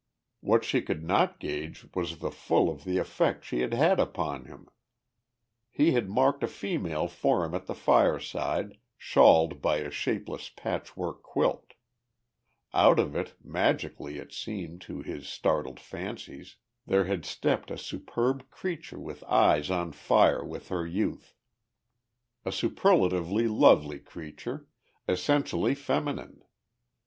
What she could not gauge was the full of the effect she had had upon him. He had marked a female form at the fireside, shawled by a shapeless patchwork quilt; out of it, magically it seemed to his startled fancies, there had stepped a superb creature with eyes on fire with her youth, a superlatively lovely creature, essentially feminine.